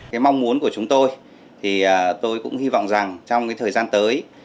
cái mong muốn của chúng tôi thì tôi cũng hy vọng rằng trong cái thời gian tới